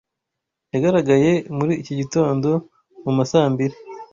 yagaragaye muri iki gitondo mu ma sa mbiri